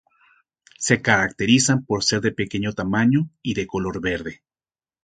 Se caracterizan por ser de pequeño tamaño y de color verde.